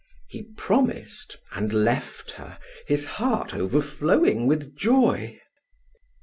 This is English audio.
He promised and left her, his heart overflowing with joy.